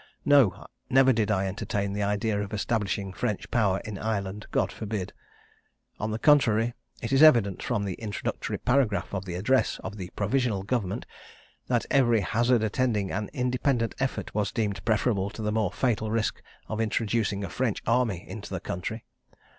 No! never did I entertain the idea of establishing French power in Ireland God forbid! On the contrary, it is evident from the introductory paragraph of the Address of the Provisional Government, that every hazard attending an independent effort was deemed preferable to the more fatal risk of introducing a French army into the country.